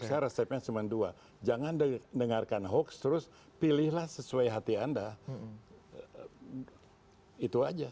saya resepnya cuma dua jangan dengarkan hoax terus pilihlah sesuai hati anda itu aja